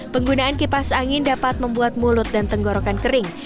penggunaan kipas angin dapat membuat mulut dan tenggorokan kering